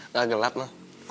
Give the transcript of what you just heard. gak gelap mah